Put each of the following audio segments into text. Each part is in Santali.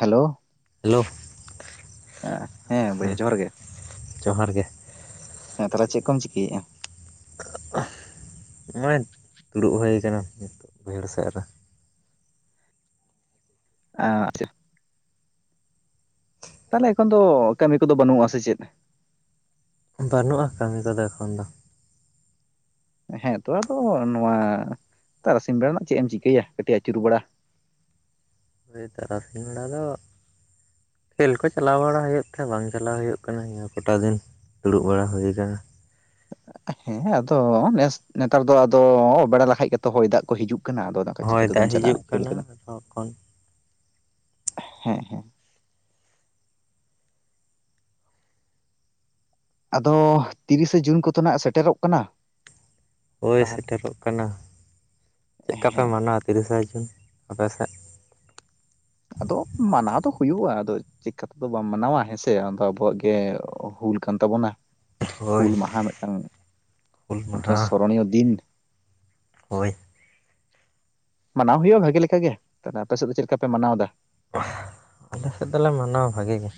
ᱦᱮᱞᱳ ᱦᱮᱞᱳ ᱦᱮᱸ ᱵᱚᱭᱦᱟ ᱡᱚᱦᱟᱨ ᱜᱮ ᱡᱚᱦᱟᱨ ᱜᱮ ᱦᱮᱸ ᱛᱟᱦᱚᱞᱮ ᱪᱮᱫ ᱠᱚᱢ ᱪᱤᱠᱟᱹᱭᱤᱜ ᱟ ᱱᱚᱜ ᱚᱭ ᱫᱩᱲᱩᱵ ᱦᱩᱭ ᱠᱟᱱᱟ ᱵᱟᱹᱭᱦᱟᱹᱲ ᱥᱮᱫ ᱨᱮ [unintelligible] ᱛᱟᱦᱚᱞᱮ ᱮᱠᱷᱚᱱ ᱫᱚ ᱠᱟᱹᱢᱤ ᱠᱚᱫᱚ ᱵᱟᱹᱱᱩᱜᱼᱟ ᱥᱮ ᱪᱮᱫ ᱵᱟᱹᱱᱩᱜᱼᱟ ᱠᱟᱹᱢᱤ ᱠᱚᱫᱚ ᱮᱠᱷᱚᱱ ᱫᱚ ᱦᱮᱸᱛᱚ ᱟᱫᱚ ᱱᱚᱣᱟ ᱛᱟᱨᱟᱥᱤᱧ ᱵᱮᱲᱟ ᱨᱮᱱᱟᱜ ᱪᱮᱫ ᱮᱢ ᱪᱤᱠᱟᱹᱭᱟ ᱠᱟᱹᱴᱤᱡ ᱟᱹᱪᱩᱨ ᱵᱮᱲᱟ ᱛᱟᱨᱟᱥᱤᱧ ᱵᱮᱲᱟ ᱫᱚ ᱠᱷᱮᱞ ᱠᱚ ᱪᱟᱞᱟᱣ ᱵᱟᱲᱟ ᱦᱩᱭᱩᱜ ᱛᱟᱦᱮᱸ ᱵᱟᱝ ᱪᱟᱞᱟᱣ ᱦᱩᱭᱩᱜ ᱠᱟᱱᱟ ᱱᱤᱭᱟᱹ ᱠᱚᱴᱟ ᱫᱤᱱ ᱫᱩᱲᱩᱵ ᱵᱟᱲᱟ ᱦᱩᱭ ᱠᱟᱱᱟ ᱦᱮᱸ ᱟᱫᱚ ᱱᱮᱥ ᱱᱮᱛᱟᱨ ᱫᱚ ᱟᱫᱚ ᱚᱵᱮᱲᱟ ᱞᱮᱠᱷᱟᱡ ᱜᱮᱛᱚ ᱦᱚᱭ ᱫᱟᱜ ᱠᱚ ᱦᱤᱡᱩᱜ ᱠᱟᱱᱟ ᱟᱫᱚ ᱚᱱᱠᱟ ᱦᱚᱭ ᱫᱟᱜ ᱪᱤᱠᱟᱹᱛᱮᱫᱚᱢ ᱦᱤᱡᱩᱜ ᱪᱟᱞᱟᱜᱼᱟ ᱠᱷᱮᱞ ᱠᱟᱱᱟ ᱠᱚᱫᱚ ᱛᱚᱠᱷᱚᱱ ᱦᱮᱸ ᱦᱮᱸ ᱟᱫᱚ ᱛᱤᱨᱤᱥᱮ ᱡᱩᱱ ᱠᱚᱫᱚ ᱱᱟᱜ ᱥᱮᱴᱮᱨᱚᱜ ᱠᱟᱱᱟ ᱦᱳᱭ ᱛᱟᱦᱚᱞᱮ ᱥᱮᱴᱮᱨᱚᱜ ᱠᱟᱱᱟ ᱪᱮᱫ ᱞᱮᱠᱟᱯᱮ ᱦᱮᱸ ᱢᱟᱱᱟᱣᱟ ᱛᱤᱨᱤᱥᱮ ᱡᱩᱱ ᱟᱯᱮ ᱥᱮᱫ ᱟᱫᱚ ᱢᱟᱱᱟᱣ ᱫᱚ ᱦᱩᱭᱩᱜᱼᱟ ᱟᱫᱚ ᱪᱮᱫ ᱠᱟᱛᱮ ᱫᱚ ᱵᱟᱢ ᱢᱟᱱᱟᱣᱟ ᱦᱮᱸᱥᱮ ᱟᱫᱚ ᱟᱵᱚᱣᱟᱜ ᱜᱮ ᱦᱩᱞ ᱠᱟᱱ ᱛᱟᱵᱚᱱᱟ ᱦᱳᱭ ᱦᱩᱞ ᱢᱟᱦᱟ ᱢᱤᱫᱴᱟᱝ ᱦᱩᱞ ᱢᱤᱫᱴᱟᱝ ᱢᱟᱦᱟ ᱥᱚᱨᱚᱱᱤᱭ ᱫᱤᱱ ᱦᱳᱭ ᱢᱟᱱᱟᱣ ᱦᱩᱭᱩᱜᱼᱟ ᱵᱷᱟᱜᱮ ᱞᱮᱠᱟᱜᱮ ᱛᱟᱦᱚᱞᱮ ᱟᱯᱮ ᱥᱮᱫ ᱫᱚ ᱪᱮᱫ ᱞᱮᱠᱟ ᱯᱮ ᱢᱟᱱᱟᱣ ᱮᱫᱟ ᱟᱞᱮ ᱥᱮᱫ ᱫᱚᱞᱮ ᱢᱟᱱᱟᱣᱟ ᱵᱷᱟᱜᱤ ᱜᱮ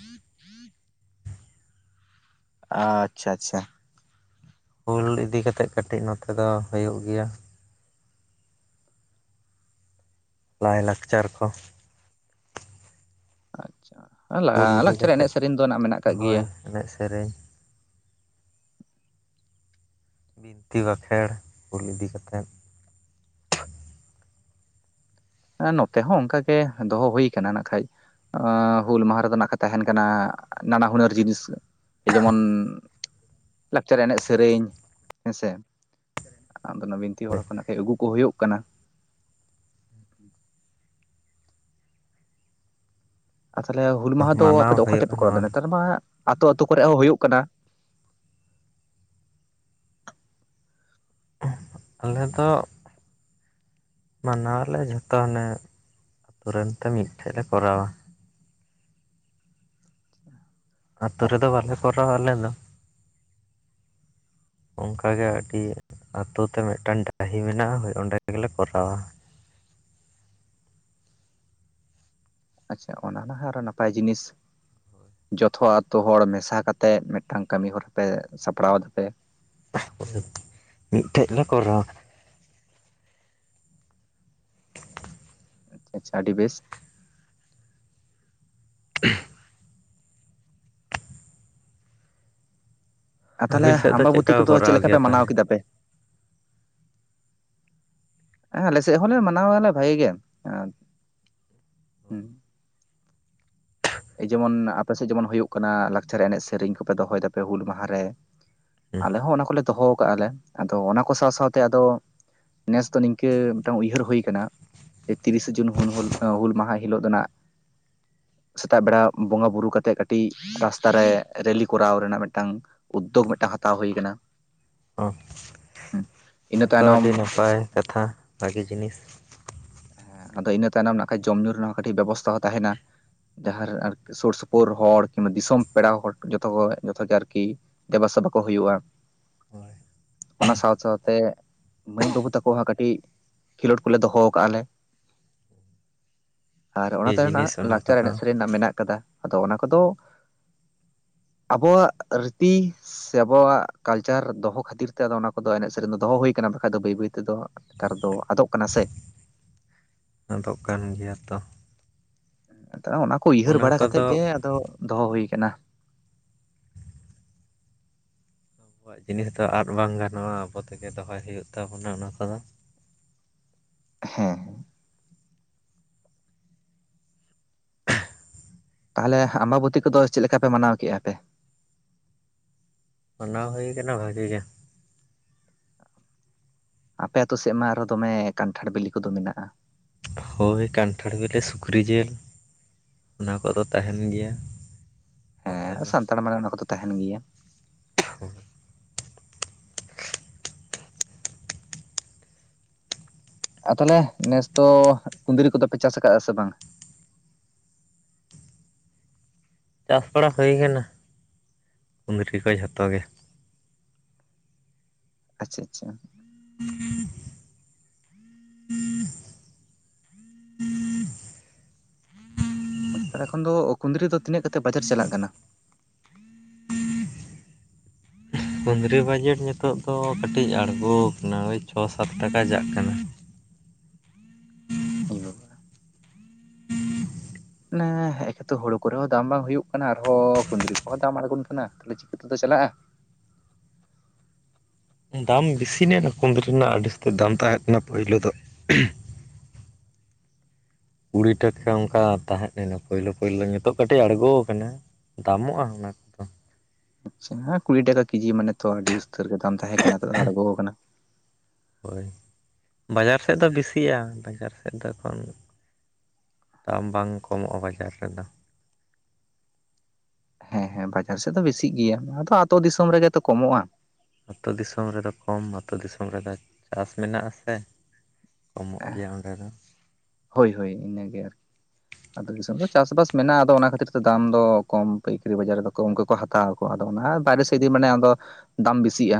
ᱟᱪᱪᱷᱟ ᱟᱪᱪᱷᱟ ᱦᱩᱞ ᱤᱫᱤ ᱠᱟᱛᱮᱜ ᱠᱟᱹᱴᱤᱡ ᱱᱚᱛᱮ ᱫᱚ ᱦᱩᱭᱩᱜ ᱜᱮᱭᱟ ᱞᱟᱭᱞᱟᱠᱪᱟᱨ ᱠᱚ ᱟᱪᱪᱷᱟ ᱦᱩᱞ ᱤᱫᱤ ᱞᱟᱠᱪᱟᱨ ᱠᱟᱛᱮᱫ ᱮᱱᱮᱡ ᱥᱮᱨᱮᱧ ᱫᱚ ᱱᱟᱜ ᱢᱮᱱᱟᱜ ᱟᱠᱟᱜ ᱦᱳᱭ ᱜᱮᱭᱟ ᱮᱱᱮᱡ ᱥᱮᱨᱮᱧ ᱵᱤᱱᱛᱤ ᱵᱟᱠᱷᱮᱸᱲ ᱦᱩᱞ ᱤᱫᱤ ᱠᱟᱛᱮᱫ ᱱᱚᱛᱮ ᱦᱚᱸ ᱚᱱᱠᱟ ᱜᱮ ᱫᱚᱦᱚ ᱦᱩᱭ ᱟᱠᱟᱱᱟ ᱠᱷᱟᱡ ᱦᱩᱞ ᱢᱟᱦᱟ ᱨᱮᱫᱚ ᱱᱟᱜ ᱠᱚ ᱛᱟᱦᱮᱱ ᱠᱟᱱᱟ ᱱᱟᱱᱟ ᱦᱩᱱᱟᱹᱨ ᱡᱤᱱᱤᱥ ᱡᱮᱢᱚᱱ ᱞᱟᱠᱪᱟᱨ ᱮᱱᱮᱡ ᱥᱮᱨᱮᱧ ᱦᱮᱸᱥᱮ ᱟᱫᱚ ᱚᱱᱟ ᱵᱤᱱᱛᱤ ᱦᱚᱲ ᱠᱚ ᱵᱮᱥᱛᱚ ᱱᱟᱜᱠᱷᱟᱡ ᱟᱹᱜᱩ ᱠᱚ ᱦᱩᱭᱩᱜ ᱠᱟᱱᱟ ᱦᱩᱸ [inaudible] ᱟᱨ ᱛᱟᱦᱚᱞᱮ ᱦᱩᱞ ᱢᱟᱦᱟ ᱫᱚ ᱟᱯᱮ ᱢᱟᱱᱟᱣ ᱫᱚ ᱚᱠᱟ ᱴᱷᱮᱡ ᱦᱩᱭᱩᱜᱼᱟ ᱯᱮ ᱠᱚᱨᱟᱣ ᱱᱚᱣᱟ ᱫᱟ ᱫᱚ ᱱᱮᱛᱟᱨ ᱢᱟ ᱟᱛᱳ ᱟᱛᱳ ᱠᱚᱨᱮ ᱦᱚᱸ ᱦᱩᱭᱩᱜ ᱠᱟᱱᱟ ᱟᱞᱮ ᱫᱚ ᱢᱟᱱᱟᱣᱟ ᱟᱞᱮ ᱡᱷᱚᱛᱚ ᱦᱟᱱᱮ ᱟᱹᱛᱩ ᱨᱮᱱ ᱛᱮ ᱢᱤᱫᱴᱷᱮᱱ ᱞᱮ ᱠᱚᱨᱟᱣᱟ ᱟᱹᱛᱩ ᱨᱮᱫᱚ ᱵᱟᱞᱮ ᱠᱚᱨᱟᱣᱟ ᱟᱞᱮ ᱫᱚ [inaudible] ᱚᱱᱠᱟ ᱜᱮ ᱟᱹᱰᱤ ᱟᱛᱳ ᱛᱮ ᱢᱤᱫᱴᱟᱝ ᱰᱟᱹᱦᱤ ᱢᱮᱱᱟᱜ-ᱟ ᱦᱚᱭ ᱚᱸᱰᱮ ᱜᱮᱞᱮ ᱠᱚᱨᱟᱣᱟ ᱟᱪᱪᱷᱟ ᱚᱱᱟ ᱱᱟᱦᱚᱸ ᱟᱨᱚ ᱱᱟᱯᱟᱭ ᱡᱤᱱᱤᱥ ᱡᱚᱛᱚ ᱟᱛᱳ ᱦᱚᱲ ᱢᱮᱥᱟ ᱠᱟᱛᱮ ᱢᱤᱫᱴᱟᱝ ᱠᱟᱹᱢᱤ ᱦᱚᱨᱟ ᱯᱮ ᱥᱟᱯᱲᱟᱣ ᱫᱟᱯᱮ ᱢᱤᱫᱴᱷᱮᱡ ᱞᱮ ᱠᱚᱨᱟᱣᱟ [inaudible] ᱟᱪᱪᱷᱟ ᱟᱪᱪᱷᱟ ᱟᱹᱰᱤ ᱵᱮᱥ [inaudible] ᱟᱨ ᱛᱟᱦᱚᱞᱮ ᱟᱹᱵᱤᱱ ᱥᱮᱫ ᱫᱚ ᱟᱢᱵᱟᱵᱩᱛᱤ ᱪᱮᱫᱠᱟ ᱠᱚ ᱠᱚᱫᱚ ᱪᱮᱫ ᱠᱚᱨᱟᱣ ᱞᱮᱠᱟ ᱜᱮᱭᱟ ᱯᱮ ᱢᱟᱱᱟᱣ ᱛᱟᱦᱚᱞᱮ ᱠᱮᱫᱟ ᱯᱮ ᱦᱮᱸ ᱟᱞᱮᱥᱮᱫ ᱦᱚᱸᱞᱮ ᱢᱟᱱᱟᱣᱟᱞᱮ ᱵᱷᱟᱜᱤ ᱜᱮ ᱦᱮᱸ ᱮᱭ ᱡᱮᱢᱚᱱ ᱟᱯᱮᱥᱮᱫ ᱡᱮᱢᱚᱱ ᱦᱩᱭᱩᱜ ᱠᱟᱱᱟ ᱞᱟᱠᱪᱟᱨ ᱮᱱᱮᱡ ᱥᱮᱨᱮᱧ ᱠᱚᱯᱮ ᱫᱚᱦᱚᱭ ᱫᱟᱯᱮ ᱦᱩᱞ ᱢᱟᱦᱟ ᱨᱮ ᱟᱞᱮ ᱦᱚᱸ ᱚᱱᱟ ᱠᱚᱞᱮ ᱫᱚᱦᱚ ᱠᱟᱜ-ᱟ ᱞᱮ ᱟᱫᱚ ᱚᱱᱟ ᱠᱚ ᱥᱟᱶ ᱥᱟᱶᱛᱮ ᱟᱫᱚ ᱱᱮᱥ ᱫᱚ ᱱᱤᱝᱠᱟᱹ ᱢᱤᱫᱴᱟᱝ ᱩᱭᱦᱟᱹᱨ ᱦᱩᱭ ᱟᱠᱟᱱᱟ ᱮ ᱛᱤᱨᱤᱥᱮ ᱡᱩᱱ ᱦᱩᱞ ᱦᱩᱞ ᱦᱩᱞ ᱢᱟᱦᱟ ᱦᱤᱞᱳᱜ ᱫᱚᱱᱟᱜ ᱥᱮᱛᱟᱜ ᱵᱮᱲᱟ ᱵᱚᱸᱜᱟ ᱵᱩᱨᱩ ᱠᱟᱛᱮᱜ ᱠᱟᱹᱴᱤᱡ ᱨᱟᱥᱛᱟ ᱨᱮ ᱨᱮᱞᱤ ᱠᱚᱨᱟᱣ ᱨᱮᱱᱟᱜ ᱢᱤᱫᱴᱟᱝ ᱩᱫᱽᱫᱳᱜᱽ ᱢᱤᱫᱴᱟᱝ ᱦᱟᱛᱟᱣ ᱦᱩᱭ ᱟᱠᱟᱱᱟ ᱚᱸ ᱤᱱᱟᱹ ᱱᱚᱭᱟ ᱫᱚ ᱛᱟᱭᱱᱚᱢ ᱟᱹᱰᱤ ᱱᱟᱯᱟᱭ ᱠᱟᱛᱷᱟ ᱵᱷᱟᱜᱤ ᱡᱤᱱᱤᱥ ᱟᱫᱚ ᱤᱱᱟᱹ ᱛᱟᱭᱱᱚᱢ ᱱᱟᱠᱷᱟᱡ ᱡᱚᱢ ᱧᱩ ᱨᱮᱱᱟᱜ ᱠᱟᱹᱴᱤᱡ ᱵᱮᱵᱚᱥᱛᱷᱟ ᱦᱚᱸ ᱛᱟᱦᱮᱱᱟ ᱡᱟᱦᱟᱨᱮ ᱟᱨᱠᱤ ᱥᱩᱨ ᱥᱩᱯᱩᱨ ᱦᱚᱲ ᱠᱤᱱᱵᱟ ᱫᱤᱥᱚᱢ ᱯᱮᱲᱟ ᱦᱚᱲ ᱡᱚᱛᱚ ᱡᱚᱛᱚ ᱜᱮ ᱟᱨᱠᱤ ᱫᱮᱵᱟᱥᱮᱵᱟ ᱠᱚ ᱦᱩᱭᱩᱜ-ᱟ ᱦᱳᱭ ᱚᱱᱟ ᱥᱟᱶ ᱥᱟᱶᱛᱮ ᱢᱟᱹᱭ ᱵᱟᱹᱵᱩ ᱛᱟᱠᱚᱭᱟᱜ ᱦᱚᱸ ᱠᱟᱹᱴᱤᱡ ᱠᱷᱮᱞᱳᱰ ᱠᱚᱞᱮ ᱫᱚᱦᱚ ᱟᱠᱟᱜ-ᱟᱞᱮ ᱟᱨ ᱚᱱᱟ ᱵᱷᱟᱹᱜᱤ ᱛᱟᱭᱱᱟᱢ ᱡᱤᱱᱤᱥ ᱢᱮᱱᱟᱜ-ᱟ ᱚᱱᱟ ᱞᱟᱠᱪᱟᱨ ᱠᱚᱫᱚ ᱮᱱᱮᱡ ᱥᱮᱨᱮᱧ ᱢᱮᱱᱟᱜ ᱠᱟᱫᱟ ᱟᱫᱚ ᱚᱱᱟ ᱠᱚᱫᱚ ᱟᱵᱚᱣᱟᱜ ᱨᱤᱛᱤ ᱥᱮ ᱟᱵᱚᱣᱟᱜ ᱠᱟᱞᱪᱟᱨ ᱫᱚᱦᱚ ᱠᱷᱟᱹᱛᱤᱨ ᱛᱮ ᱟᱫᱚ ᱚᱱᱟ ᱠᱚᱫᱚ ᱮᱱᱮᱡ ᱥᱮᱨᱮᱧ ᱫᱚ ᱫᱚᱦᱚ ᱦᱩᱭ ᱠᱟᱱᱟ ᱵᱟᱠᱷᱟ ᱫᱚ ᱵᱟᱹᱭ ᱵᱟᱹᱭ ᱛᱮᱫᱚ ᱱᱮᱛᱟᱨ ᱫᱚ ᱟᱫᱚᱜ ᱠᱟᱱᱟ ᱥᱮ ᱟᱫᱚᱜ ᱠᱟᱱ ᱜᱮᱭᱟ ᱛᱚ ᱟᱫᱚ ᱚᱱᱟ ᱠᱚ ᱩᱭᱦᱟᱹᱨ ᱚᱱᱟ ᱵᱟᱲᱟ ᱠᱟᱛᱮᱜ ᱠᱚᱫᱚ ᱜᱮ ᱟᱫᱚ ᱫᱚᱦᱚ ᱦᱩᱭ ᱟᱠᱟᱱᱟ ᱟᱵᱚᱣᱟᱜ ᱡᱤᱱᱤᱥ ᱫᱚ ᱟᱫ ᱵᱟᱝ ᱜᱟᱱᱚᱜ-ᱟ ᱟᱵᱚ ᱛᱮᱜᱮ ᱫᱚᱦᱚᱭ ᱦᱩᱭᱩᱜ ᱛᱟᱵᱚᱱᱟ ᱚᱱᱟ ᱠᱚᱫᱚ ᱦᱮᱸ ᱛᱟᱦᱚᱞᱮ ᱟᱢᱵᱟᱵᱚᱛᱤ ᱠᱚᱫᱚ ᱪᱮᱫ ᱞᱮᱠᱟ ᱯᱮ ᱢᱟᱱᱟᱣ ᱠᱮᱫ-ᱟ ᱯᱮ ᱢᱟᱱᱟᱣ ᱦᱩᱭ ᱠᱟᱱᱟ ᱵᱷᱟᱹᱜᱤ ᱜᱮ ᱟᱯᱮ ᱟᱹᱛᱩ ᱥᱮᱫ ᱢᱟ ᱟᱨ ᱦᱚᱸ ᱫᱚᱢᱮ ᱠᱟᱱᱴᱷᱟᱲ ᱵᱤᱞᱤ ᱠᱚᱫᱚ ᱢᱮᱱᱟᱜ-ᱟ ᱦᱳᱭ ᱠᱟᱱᱴᱷᱟᱲ ᱵᱤᱞᱤ ᱥᱩᱠᱨᱤ ᱡᱤᱞ ᱚᱱᱟ ᱠᱚᱫᱚ ᱛᱟᱦᱮᱱ ᱜᱮᱭᱟ ᱱᱚᱛᱮ ᱢᱟ ᱛᱟᱨᱢᱟᱱᱮ ᱚᱱᱟ ᱠᱚᱫᱚ ᱛᱟᱦᱮᱱ ᱜᱮᱭᱟ [unintelligible] ᱟᱨ ᱛᱟᱦᱚᱞᱮ ᱱᱮᱥ ᱫᱚ ᱠᱩᱱᱫᱽᱨᱤ ᱠᱚᱫᱚᱯᱮ ᱪᱟᱥ ᱟᱠᱟᱫᱟ ᱥᱮ ᱵᱟᱝ ᱪᱟᱥ ᱵᱟᱲᱟ ᱦᱩᱭ ᱠᱟᱱᱟ ᱠᱩᱱᱫᱽᱨᱤ ᱠᱚ ᱡᱷᱚᱛᱚ ᱜᱮ ᱟᱪᱪᱷᱟ ᱟᱪᱪᱷᱟ [unintelligible] [inaudible] ᱯᱟᱸᱪᱛᱟᱲᱟ ᱠᱷᱚᱱ ᱫᱚ ᱠᱩᱸᱱᱫᱽᱨᱤ ᱫᱚ ᱛᱤᱱᱟᱹᱜ ᱠᱟᱛᱮᱫ ᱵᱟᱡᱟᱨ ᱪᱟᱞᱟᱜ ᱠᱟᱱᱟ ᱠᱩᱱᱫᱽᱨᱤ ᱵᱟᱡᱮᱴ ᱱᱤᱛᱚᱜ ᱫᱚ ᱠᱟᱹᱴᱤᱡ ᱟᱬᱜᱳ ᱠᱟᱱᱟ ᱳᱭ ᱪᱷᱚ ᱥᱟᱛ ᱴᱟᱠᱟ ᱪᱟᱜ ᱠᱟᱱᱟ ᱤ ᱵᱟᱵᱟ ᱢᱟᱱᱮ ᱮᱠᱮᱛᱚ ᱦᱳᱲᱳ ᱠᱚᱨᱮ ᱦᱚᱸ ᱫᱟᱢ ᱵᱟᱝ ᱦᱩᱭᱩᱜ ᱠᱟᱱᱟ ᱟᱨᱦᱚᱸ ᱠᱩᱸᱱᱫᱽᱨᱤ ᱠᱚᱦᱚᱸ ᱫᱟᱢ ᱟᱬᱜᱳ ᱠᱟᱱᱟ ᱛᱟᱦᱞᱮ ᱪᱤᱠᱟᱹᱛᱮᱫᱚ ᱪᱟᱞᱟᱜ-ᱟ ᱫᱟᱢ ᱵᱮᱥᱤ ᱞᱮᱱᱟ ᱠᱩᱱᱫᱽᱨᱤ ᱨᱮᱱᱟᱜ ᱟᱹᱰᱤᱩᱥᱛᱟᱹᱨ ᱫᱟᱢ ᱛᱟᱦᱮᱸ ᱠᱟᱱᱟ ᱯᱳᱭᱞᱳ ᱫᱚ ᱠᱩᱲᱤ ᱴᱟᱠᱟ ᱚᱱᱠᱟ ᱛᱟᱦᱮᱸᱜ ᱞᱮᱱᱟ ᱯᱳᱭᱞᱳ ᱯᱳᱭᱞᱳ ᱱᱤᱛᱚᱜ ᱠᱟᱹᱴᱤᱡ ᱟᱬᱜᱚ ᱠᱟᱱᱟ ᱫᱟᱢᱚᱜᱼᱟ ᱚᱱᱟ ᱠᱚᱫᱚ ᱟᱪᱪᱷᱟ ᱠᱩᱲᱤ ᱴᱟᱠᱟ ᱠᱮᱡᱤ ᱢᱟᱱᱮᱛᱚ ᱟᱹᱰᱤ ᱩᱥᱛᱟᱹᱨ ᱜᱮ ᱫᱟᱢ ᱛᱟᱦᱮᱸ ᱠᱟᱱᱟ ᱱᱤᱛᱚᱜ ᱫᱚ ᱟᱬᱜᱚ ᱠᱟᱱᱟ ᱦᱳᱭ ᱵᱟᱡᱟᱨ ᱥᱮᱫ ᱫᱚ ᱵᱮᱥᱤᱜᱼᱟ ᱵᱟᱡᱟᱨ ᱥᱮᱫ ᱱᱤᱛᱚᱜ ᱫᱚ ᱮᱠᱷᱚᱱ ᱫᱟᱢ ᱵᱟᱝ ᱠᱚᱢᱚᱜᱼᱟ ᱵᱟᱡᱟᱨ ᱨᱮᱫᱚ ᱦᱮᱸ ᱦᱮᱸ ᱵᱟᱡᱟᱨ ᱥᱮᱫ ᱫᱚ ᱵᱮᱥᱤᱜ ᱜᱮᱭᱟ ᱟᱫᱚ ᱟᱛᱳ ᱫᱤᱥᱚᱢ ᱨᱮᱜᱮ ᱛᱚ ᱠᱚᱢᱚᱜ ᱟ ᱟᱛᱳ ᱫᱤᱥᱚᱢ ᱨᱮᱫᱚ ᱠᱚᱢ ᱟᱛᱳ ᱫᱤᱥᱚᱢ ᱨᱮᱫᱚ ᱪᱟᱥ ᱢᱮᱱᱟᱜ ᱟᱥᱮ ᱠᱚᱢᱚᱜ ᱜᱮᱭᱟ ᱚᱸᱰᱮ ᱫᱚ ᱦᱳᱭ ᱦᱳᱭ ᱤᱱᱟᱹ ᱜᱮ ᱟᱨᱠᱤ ᱟᱛᱳ ᱫᱤᱥᱚᱢ ᱨᱮᱫᱚ ᱪᱟᱥᱵᱟᱥ ᱢᱮᱱᱟᱜᱼᱟ ᱟᱫᱚ ᱚᱱᱟ ᱠᱷᱟᱹᱛᱤᱨ ᱛᱮ ᱫᱟᱢ ᱫᱚ ᱠᱚᱢ ᱯᱟᱹᱭᱠᱟᱹᱨᱤ ᱵᱟᱡᱟᱨ ᱨᱮᱫᱚ ᱠᱚᱢ ᱜᱮᱠᱚ ᱦᱟᱛᱟᱣ ᱟᱠᱚ ᱟᱫᱚ ᱚᱱᱟ ᱵᱟᱭᱨᱮ ᱥᱮ ᱤᱫᱤ ᱢᱟᱱᱮ ᱟᱫᱚ ᱫᱟᱢ ᱵᱮᱥᱤᱜᱼᱟ᱾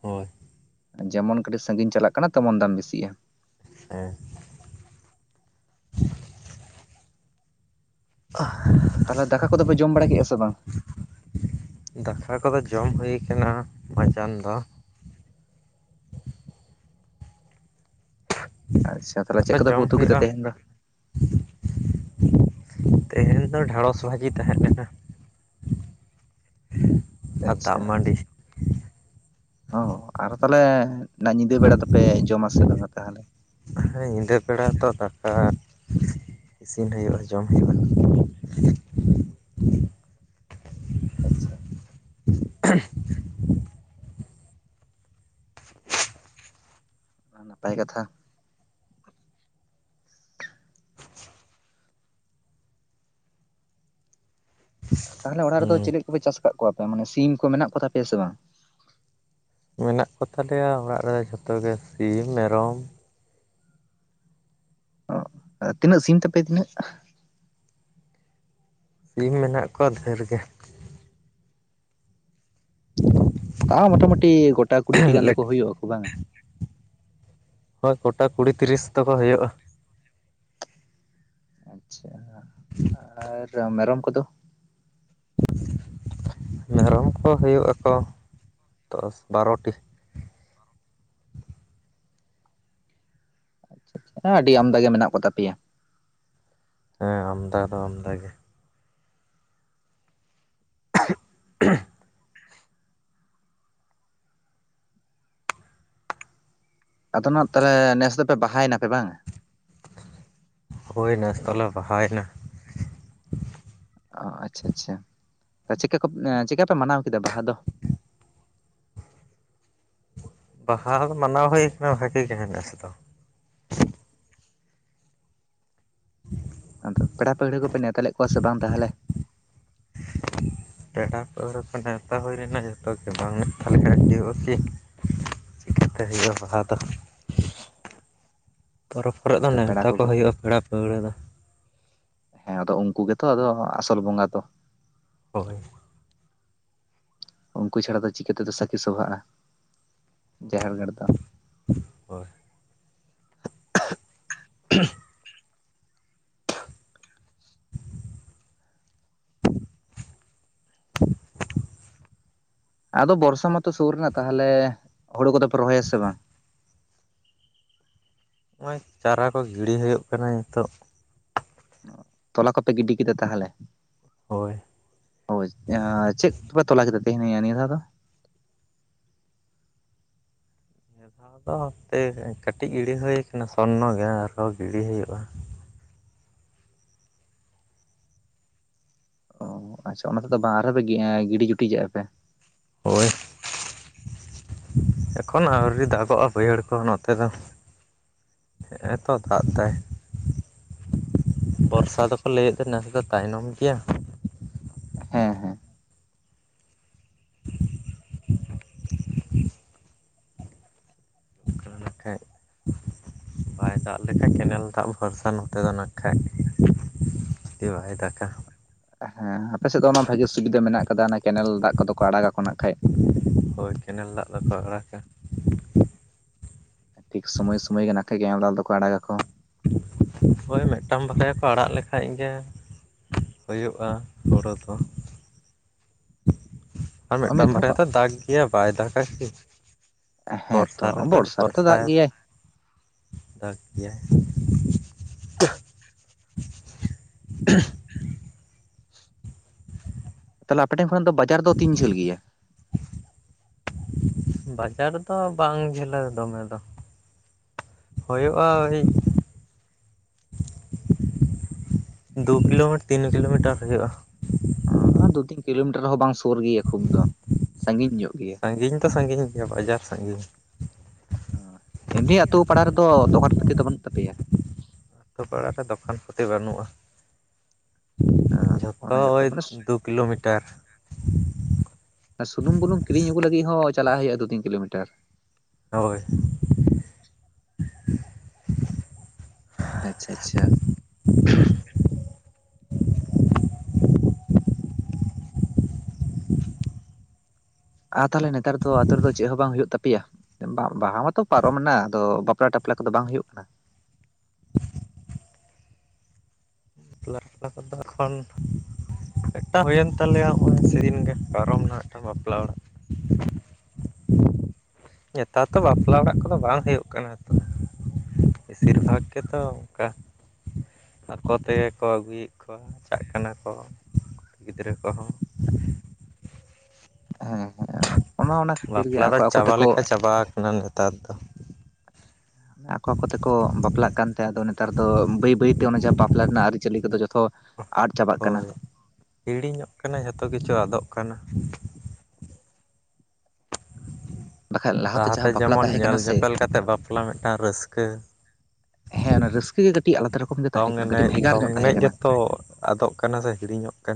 ᱦᱳᱭ ᱡᱮᱢᱚᱱ ᱠᱟᱹᱴᱤᱡ ᱥᱟᱺᱟᱹᱜᱤᱧ ᱪᱟᱞᱟᱜ ᱠᱟᱱᱟ ᱛᱮᱢᱚᱱ ᱫᱟᱢ ᱵᱮᱥᱤᱜᱼᱟ᱾ ᱦᱮᱸ [unintelligible] ᱟ ᱛᱟᱦᱚᱞᱮ ᱫᱟᱠᱟ ᱠᱚᱫᱚᱯᱮ ᱡᱚᱢ ᱵᱟᱲᱟ ᱠᱮᱜ-ᱟ ᱥᱮ ᱵᱟᱝ? ᱫᱟᱠᱟ ᱠᱚᱫᱚ ᱡᱚᱢ ᱦᱩᱭ ᱠᱟᱱᱟ ᱢᱟᱡᱟᱱ ᱫᱚ ᱟᱪᱪᱷᱟ ᱛᱟᱦᱚᱞᱮ ᱪᱮᱫ ᱟᱫᱚ ᱠᱚᱫᱚ ᱯᱮ ᱡᱚᱢ ᱩᱛᱩ ᱠᱮᱫᱟ ᱦᱩᱭᱩᱜᱼᱟ ᱛᱮᱦᱮᱧ ᱫᱚ? ᱛᱮᱦᱮᱧ ᱫᱚ ᱰᱷᱮᱸᱲᱚᱥ ᱵᱷᱟᱹᱡᱤ ᱛᱟᱦᱮᱸᱜ ᱞᱮᱱᱟ ᱟᱨ ᱫᱟᱜᱽ ᱟᱪᱪᱷᱟ ᱢᱟᱰᱤ ᱚ ᱟᱨᱦᱚ ᱛᱟᱦᱚᱞᱮ ᱚᱱᱟ ᱧᱤᱫᱟᱹ ᱵᱮᱲᱟ ᱫᱚᱯᱮ ᱡᱚᱢᱟ ᱥᱮ ᱵᱟᱝᱟ ᱛᱟᱦᱚᱞᱮ? ᱦᱮ ᱧᱤᱫᱟᱹ ᱵᱮᱲᱟ ᱛᱚ ᱫᱟᱠᱟ ᱤᱥᱤᱱ ᱦᱩᱭᱩᱜᱼᱟ ᱡᱚᱢ ᱦᱩᱭᱩᱜᱼᱟ᱾ ᱟᱪᱪᱷᱟ [unintelligible] ᱱᱟᱯᱟᱭ ᱠᱟᱛᱷᱟ ᱛᱟᱦᱚᱞᱮ ᱚᱲᱟᱜ ᱨᱮᱫᱚ ᱦᱩᱸ ᱪᱤᱞᱤ ᱠᱚᱯᱮ ᱪᱟᱥ ᱠᱟᱜ ᱠᱚᱣᱟ ᱯᱮ ᱢᱟᱱᱮ ᱥᱤᱢ ᱠᱚ ᱢᱮᱱᱟᱜ ᱠᱚ ᱛᱟᱯᱮᱭᱟ ᱥᱮ ᱵᱟᱝ? ᱢᱮᱱᱟᱜ ᱠᱚ ᱛᱟᱞᱮᱭᱟ ᱚᱲᱟᱜ ᱨᱮ ᱡᱷᱚᱛᱚ ᱜᱮ ᱥᱤᱢ ᱢᱮᱨᱚᱢ᱾ ᱚ ᱛᱤᱱᱟᱹᱜ ᱥᱤᱢ ᱛᱟᱯᱮ ᱛᱤᱱᱟᱹᱜ? ᱥᱤᱢ ᱢᱮᱱᱟᱜ ᱠᱚᱣᱟ ᱫᱷᱮᱨ ᱜᱮ᱾ ᱛᱟᱣ ᱢᱳᱚᱴᱟᱢᱩᱴᱤ ᱜᱚᱴᱟ ᱠᱩᱲᱤᱴᱤ ᱜᱟᱱ ᱫᱚᱠᱚ ᱦᱩᱭᱩᱜᱼᱟᱠᱚ ᱵᱟᱝ-ᱟ ᱦᱳᱭ ᱠᱚᱴᱟ ᱠᱩᱲᱤ ᱛᱤᱨᱤᱥ ᱛᱚᱠᱚ ᱦᱩᱭᱩᱜᱼᱟ᱾ ᱟᱪᱪᱷᱟ ᱟᱨ ᱢᱮᱨᱚᱢ ᱠᱚᱫᱚ? ᱢᱮᱨᱚᱢ ᱠᱚ ᱦᱩᱭᱩᱜᱼᱟᱠᱚ ᱫᱚᱥ ᱵᱟᱨᱚᱴᱤ᱾ ᱦᱮᱸ ᱟᱹᱰᱤ ᱟᱢᱫᱟ ᱜᱮ ᱢᱮᱱᱟᱜ ᱠᱚ ᱛᱟᱯᱮᱭᱟ᱾ ᱦᱮᱸ ᱟᱢᱫᱟ ᱫᱚ ᱟᱢᱫᱟ ᱜᱮ᱾ [unintelligible] ᱟᱫᱚ ᱱᱟᱜ ᱛᱟᱦᱚᱞᱮ ᱱᱮᱥ ᱫᱚᱯᱮ ᱵᱟᱦᱟᱭᱮᱱᱟᱯᱮ ᱵᱟᱝ-ᱟ ᱦᱩᱭ ᱱᱮᱥ ᱫᱚᱞᱮ ᱵᱟᱦᱟᱭᱮᱱᱟ᱾ ᱚ ᱟᱪᱪᱷᱟ ᱟᱪᱪᱷᱟ ᱪᱤᱠᱟ ᱠᱚ ᱪᱤᱠᱟ ᱯᱮ ᱢᱟᱱᱟᱣ ᱠᱮᱫᱟ ᱵᱟᱦᱟ ᱫᱚ? ᱵᱟᱦᱟ ᱢᱟᱱᱟᱣ ᱦᱩᱭ ᱠᱟᱱᱟ ᱵᱷᱟᱜᱤ ᱜᱮ ᱱᱮᱥ ᱫᱚ᱾ ᱟᱫᱚ ᱯᱮᱲᱟ ᱯᱟᱹᱲᱦᱟᱹ ᱠᱚᱯᱮ ᱱᱮᱶᱛᱟ ᱞᱮᱫ ᱠᱚᱣᱟ ᱥᱮ ᱵᱟᱝ ᱛᱟᱦᱚᱞᱮ? ᱯᱮᱲᱟ ᱯᱟᱹᱣᱲᱩᱣᱟᱹ ᱠᱚ ᱱᱮᱶᱛᱟ ᱦᱩᱭ ᱞᱮᱱᱟ ᱡᱚᱛᱚ ᱜᱮ ᱵᱟᱝ ᱱᱮᱶᱛᱟ ᱞᱮᱠᱷᱟᱡ ᱦᱩᱭᱩᱜ-ᱟ ᱠᱤ ᱪᱤᱠᱟᱹᱛᱮ ᱦᱩᱭᱩᱜᱼᱟ ᱵᱟᱦᱟ ᱫᱚ᱾ ᱯᱚᱨᱚᱵᱽ ᱠᱚᱨᱮ ᱫᱚ ᱦᱮᱸᱛᱚ ᱯᱮᱲᱟ ᱱᱮᱶᱛᱟ ᱠᱚ ᱠᱚᱜᱮ ᱦᱩᱭᱩᱜᱼᱟ ᱯᱮᱲᱟ ᱯᱟᱹᱣᱲᱟᱹ ᱫᱚ᱾ ᱦᱮᱸ ᱟᱫᱚ ᱩᱱᱠᱩ ᱜᱮᱛᱚ ᱟᱫᱚ ᱟᱥᱚᱞ ᱵᱚᱸᱜᱟ ᱫᱚ᱾ ᱦᱳᱭ ᱩᱱᱠᱩ ᱪᱷᱟᱲᱟ ᱫᱚ ᱪᱤᱠᱟᱹ ᱛᱮᱫᱚ ᱥᱟᱹᱠᱷᱤ ᱥᱚᱵᱷᱟᱜᱼᱟ ᱡᱟᱦᱮᱨ ᱜᱟᱲ ᱫᱚ᱾ ᱦᱳᱭ [inaudible] ᱟᱫᱚ ᱵᱚᱨᱥᱟ ᱢᱟᱛᱚ ᱥᱩᱨ ᱮᱱᱟ ᱛᱟᱦᱚᱞᱮ ᱦᱩᱲᱩ ᱠᱚᱫᱚ ᱯᱮ ᱨᱚᱦᱚᱭᱟ ᱥᱮ ᱵᱟᱝ? ᱱᱚᱜᱼᱚᱭ ᱪᱟᱨᱟ ᱠᱚ ᱜᱤᱲᱤ ᱦᱩᱭᱩᱜ ᱠᱟᱱᱟ ᱱᱤᱛᱚᱜ᱾ ᱛᱚᱞᱟ ᱠᱚᱯᱮ ᱜᱤᱰᱤ ᱠᱮᱫᱟ ᱛᱟᱦᱚᱞᱮ? ᱦᱳᱭ ᱦᱳᱭ ᱪᱮᱫ ᱠᱚᱯᱮ ᱛᱚᱞᱟ ᱠᱮᱫᱟ [unintelligible] ᱱᱤᱭᱟᱹ ᱫᱷᱟᱣ ᱫᱚ? ᱟᱫᱚ ᱦᱟᱯᱮ ᱠᱟᱹᱴᱤᱡ ᱜᱤᱲᱤ ᱦᱩ ᱠᱟᱱᱟ ᱥᱚᱨᱱᱚ ᱜᱮ ᱟᱨᱦᱚᱸ ᱜᱤᱲᱤ ᱦᱩᱭᱩᱜᱼᱟ ᱚ ᱟᱪᱪᱷᱟ ᱚᱱᱟ ᱛᱮᱫᱚ ᱵᱟᱝ ᱟᱨᱦᱚᱸ ᱯᱮ ᱜᱤᱰᱤ ᱡᱩᱴᱤᱡᱟᱜᱼᱟ ᱯᱮ᱾ ᱦᱳᱭ ᱮᱠᱷᱚᱱ ᱟᱹᱣᱨᱤ ᱫᱟᱜᱚᱜᱼᱟ ᱵᱟᱹᱭᱦᱟᱹᱲ ᱠᱚ ᱱᱚᱛᱮ ᱫᱚ᱾ ᱦᱮᱸᱜ ᱮ ᱛᱚ ᱫᱟᱜ ᱫᱟᱭ ᱟᱪᱪᱷᱟ ᱵᱚᱨᱥᱟ ᱟᱪᱪᱷᱟ ᱫᱚᱠᱚ ᱞᱟᱹᱭᱮᱫ ᱫᱚ ᱱᱮᱥ ᱫᱚ ᱛᱟᱭᱱᱚᱢ ᱜᱮᱭᱟ ᱦᱮᱸ ᱦᱮᱸ [inaudible] [inaudible] ᱵᱟᱭ ᱫᱟᱜ ᱞᱮᱠᱷᱟᱱ ᱠᱮᱱᱮᱞ ᱫᱟᱜ ᱵᱷᱚᱨᱥᱟ ᱱᱚᱛᱮ ᱫᱚ ᱱᱟᱦ ᱠᱷᱟᱡ [unintelligible] ᱛᱮ ᱵᱟᱭ ᱫᱟᱠᱟ ᱦᱮᱸ ᱟᱯᱮ ᱥᱮᱫ ᱫᱚ ᱚᱱᱟ ᱵᱷᱟᱜᱮ ᱥᱩᱵᱤᱫᱷᱟ ᱢᱮᱱᱟᱜ ᱠᱟᱫᱟ ᱚᱱᱟ ᱠᱮᱱᱮᱞ ᱫᱟᱜ ᱠᱚᱫᱚ ᱠᱚ ᱟᱲᱟᱜᱟᱠᱚ ᱱᱟᱜ ᱠᱷᱟᱡ ᱦᱳᱭ ᱠᱮᱱᱮᱞ ᱫᱟᱜ ᱫᱚᱠᱚ ᱟᱲᱟᱜᱟ ᱴᱷᱤᱠ ᱥᱳᱢᱚᱭ ᱥᱳᱢᱚᱭ ᱜᱮ ᱱᱟᱜ ᱠᱷᱟᱡ ᱜᱮ ᱮᱢᱞᱟᱞ ᱫᱚᱠᱚ ᱟᱲᱟᱜᱟᱠᱚ᱾ ᱦᱳᱭ ᱢᱤᱫᱴᱟᱱ ᱵᱟᱠᱷᱟᱡ ᱠᱚ ᱟᱲᱟᱜ ᱞᱮᱠᱷᱟᱡ ᱜᱮ ᱦᱳᱭᱳᱜᱼᱟ ᱦᱳᱲᱳ ᱫᱚ ᱟᱨ ᱢᱤᱫ ᱢᱤᱫᱴᱟᱱ ᱫᱷᱟᱣ ᱵᱟᱨᱭᱟ ᱠᱚ ᱫᱚ ᱫᱟᱜᱽ ᱜᱮᱭᱟ ᱵᱟᱭ ᱫᱟᱜᱟ ᱠᱤ ᱵᱚᱨᱥᱟ ᱦᱮᱸᱛᱚ ᱨᱮᱫᱚ ᱵᱚᱨᱥᱟ ᱨᱮᱛᱚ ᱫᱟᱜ ᱵᱚᱨᱥᱟᱭ ᱜᱮᱭᱟᱭ ᱫᱟᱜᱽ ᱜᱮᱭᱟᱭ ᱛᱟᱦᱚᱞᱮ ᱟᱯᱮ ᱴᱷᱮᱱ ᱠᱷᱚᱱᱟᱜ ᱫᱚ ᱵᱟᱡᱟᱨ ᱫᱚ ᱛᱤᱱ ᱡᱷᱟᱹᱞ ᱜᱮᱭᱟ ᱵᱟᱡᱟᱨ ᱫᱚ ᱵᱟᱝ ᱡᱷᱟᱹᱞᱟ ᱫᱚᱢᱮ ᱫᱚ ᱦᱳᱭᱳᱜᱼᱟ ᱳᱭ ᱫᱩ ᱠᱤᱞᱳᱢᱤᱴᱟᱨ ᱛᱤᱱ ᱠᱤᱞᱳᱢᱤᱴᱟᱨ ᱦᱩᱭᱩᱜᱼᱟ ᱫᱩ ᱛᱤᱱ ᱠᱤᱞᱳᱢᱤᱴᱟᱨ ᱦᱚᱸ ᱵᱟᱝ ᱥᱳᱨ ᱜᱮᱭᱟ ᱠᱷᱩᱵ ᱫᱚ ᱥᱟᱺᱜᱤᱧ ᱧᱚᱜ ᱜᱮᱭᱟ ᱥᱟᱺᱜᱤᱧ ᱫᱚ ᱥᱟᱺᱜᱤᱧ ᱜᱮᱭᱟ ᱵᱟᱡᱟᱨ ᱥᱟᱺᱜᱤᱧᱟ ᱮᱢᱱᱤ ᱟᱛᱳ ᱯᱟᱲᱟ ᱨᱮᱫᱚ ᱫᱚᱠᱟᱱ ᱯᱟᱹᱛᱤ ᱫᱚ ᱵᱟᱹᱱᱩᱜ ᱛᱟᱯᱮᱭᱟ ᱟᱛᱳ ᱯᱟᱲᱟ ᱨᱮ ᱫᱚᱠᱟᱱ ᱯᱟᱹᱛᱤ ᱫᱚ ᱵᱟᱹᱱᱩᱜᱼᱟ ᱦᱮᱸ ᱡᱷᱚᱛᱚ ᱚᱱᱟ ᱳᱭ ᱜᱮᱛᱚ ᱢᱟᱱᱮ ᱫᱩ ᱠᱤᱞᱳᱢᱤᱴᱟᱨ ᱟᱨ ᱥᱩᱱᱩᱢ ᱵᱩᱞᱩᱝ ᱠᱤᱨᱤᱧ ᱟᱹᱜᱩ ᱞᱟᱹᱜᱤᱫ ᱦᱚᱸ ᱪᱟᱞᱟᱜ ᱦᱩᱭᱩᱜᱼᱟ ᱫᱩ ᱛᱤᱱ ᱠᱤᱞᱳᱢᱤᱴᱟᱨ ᱦᱳᱭ ᱟᱪᱪᱷᱟ ᱟᱪᱪᱷᱟ ᱟᱨ ᱛᱟᱦᱚᱞᱮ ᱱᱮᱛᱟᱨ ᱫᱚ ᱟᱹᱛᱩ ᱨᱮᱫᱚ ᱪᱮᱫ ᱦᱚᱸ ᱵᱟᱝ ᱦᱳᱭᱳᱜ ᱛᱟᱯᱮᱭᱟ ᱵᱟᱦᱟ ᱢᱟᱛᱚ ᱯᱟᱨᱚᱢᱮᱱᱟ ᱟᱫᱚ ᱵᱟᱯᱞᱟ ᱴᱟᱯᱞᱟ ᱠᱚᱫᱚ ᱵᱟᱝ ᱦᱩᱭᱩᱜ ᱠᱟᱱᱟ ᱵᱟᱯᱞᱟ ᱴᱟᱯᱞᱟ ᱠᱚ ᱫᱚ ᱮᱠᱷᱚᱱ ᱢᱮᱛᱴᱟᱱ ᱦᱩᱭᱮᱱ ᱛᱟᱞᱮᱭᱟ ᱱᱚᱜᱼᱚᱭ ᱥᱮᱫᱤᱱ ᱜᱮ ᱯᱟᱨᱚᱢ ᱱᱟ ᱢᱮᱛᱴᱟᱱ ᱵᱟᱯᱞᱟ ᱚᱲᱟᱜ ᱱᱮᱛᱟᱨ ᱫᱚ ᱵᱟᱯᱞᱟ ᱚᱲᱟᱜ ᱠᱚᱫᱚ ᱵᱟᱝ ᱦᱳᱭᱳᱜ ᱠᱟᱱᱟ ᱛᱚ ᱵᱮᱥᱤᱨ ᱵᱷᱟᱜᱽ ᱜᱮᱛᱚ ᱚᱝᱠᱟ ᱟᱠᱚ ᱛᱮᱜᱮ ᱠᱚ ᱟᱹᱜᱩᱭᱮᱫ ᱠᱚᱣᱟ ᱪᱟᱜ ᱠᱟᱱᱟ ᱠᱚ ᱜᱤᱫᱽᱨᱟᱹ ᱠᱚᱦᱚᱸ ᱦᱮᱸ ᱚᱱᱟ ᱚᱱᱟ ᱠᱷᱟᱹᱛᱤᱨ ᱜᱮ ᱵᱟᱯᱞᱟ ᱫᱚ ᱟᱠᱚ ᱟᱠᱚ ᱪᱟᱵᱟ ᱛᱮᱠᱚ ᱞᱮᱠᱟ ᱪᱟᱵᱟ ᱠᱟᱱᱟ ᱱᱮᱛᱟᱨ ᱫᱚ ᱟᱠᱚ ᱟᱠᱚ ᱛᱮᱠᱚ ᱵᱟᱯᱞᱟᱜ ᱠᱟᱱ ᱛᱮ ᱟᱫᱚ ᱱᱮᱛᱟᱨ ᱫᱚ ᱵᱟᱹᱭ ᱵᱟᱹᱭᱛᱮ ᱚᱱᱮ ᱡᱮ ᱵᱟᱯᱞᱟ ᱨᱮᱱᱟᱜ ᱟᱹᱨᱤᱪᱟᱹᱞᱤ ᱠᱚᱫᱚ ᱡᱷᱚᱛᱚ ᱦᱳᱭ ᱦᱤᱲᱤᱧᱚᱜ ᱠᱟᱱᱟ ᱡᱷᱚᱛᱚ ᱠᱤᱪᱷᱩ ᱟᱫᱚᱜ ᱠᱟᱱᱟ ᱵᱟᱠᱷᱟᱡ ᱞᱟᱦᱟᱛᱮ ᱡᱟᱦᱟᱸ ᱵᱟᱯᱞᱟ ᱡᱮᱢᱚᱱ ᱛᱟᱦᱮᱸ ᱧᱮᱞ ᱠᱟᱱᱟ ᱥᱮ ᱧᱮᱯᱮᱞ ᱠᱟᱛᱮᱫ ᱵᱟᱯᱞᱟ ᱢᱤᱫᱴᱟᱝ ᱨᱟᱹᱥᱠᱟᱹ ᱦᱮᱸ ᱚᱱᱟ ᱨᱟᱹᱥᱠᱟᱹ ᱜᱮ ᱠᱟᱹᱴᱤᱡ ᱟᱞᱟᱫᱟ ᱨᱚᱠᱚᱢ ᱜᱮ ᱛᱟᱦᱮᱸ ᱫᱚᱝ ᱠᱟᱱᱟ ᱠᱟᱹᱴᱤᱡ ᱮᱱᱮᱡ ᱵᱷᱮᱜᱟᱨ ᱧᱚᱜ ᱫᱚᱝ ᱛᱟᱦᱮᱸ ᱮᱱᱮᱡ ᱠᱟᱱᱟ ᱜᱮᱛᱚ ᱟᱫᱚᱜ ᱠᱟᱱᱟ ᱥᱮ ᱦᱤᱲᱤᱧᱚᱜ ᱠᱟᱱᱟ